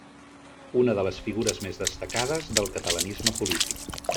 Una de les figures més destacades del catalanisme polític.